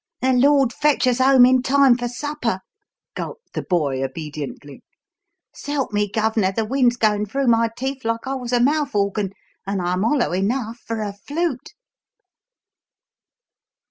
"The Lord fetch us home in time for supper!" gulped the boy obediently. "S'help me, Gov'nor, the wind's goin' through my teeth like I was a mouth organ and I'm hollow enough for a flute!"